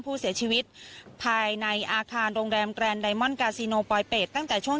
ผู้เสียชีวิตภายในอาคารโรงแรมแกรนไดมอนกาซิโนปลอยเป็ดตั้งแต่ช่วง